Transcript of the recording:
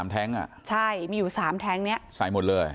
๓แท้งอ่ะใช่มีอยู่๓แท้งเนี่ยใส่หมดเลย